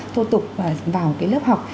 thô tục vào cái lớp học